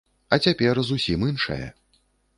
А цяпер зусім іншае.